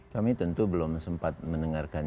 kami tentu belum sempat mendengarkan